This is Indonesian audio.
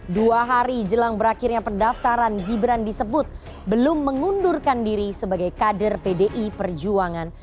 dua hari jelang berakhirnya pendaftaran gibran disebut belum mengundurkan diri sebagai kader pdi perjuangan